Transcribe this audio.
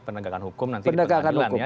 penegakan hukum nanti di pengadilan ya